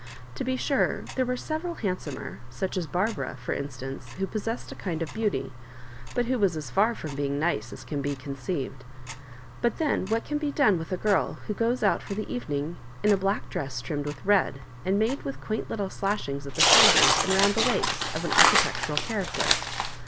To be sure, there were several hand somer, such as Barbara, for instance, who pos sessed a kind of beauty, but who was as far from being nice as can be conceived ; but then what can be done with a girl who goes out for the evening in a black dress trimmed with red, and made with quaint little slashings at the shoulders and round the waist of an architectural charac ter